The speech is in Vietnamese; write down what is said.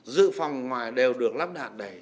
giữ phòng ngoài đều được lắp đạn đầy